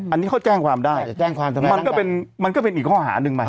อันนี้เขาแจ้งความได้จะแจ้งความทำไมมันก็เป็นมันก็เป็นอีกข้อหาหนึ่งมา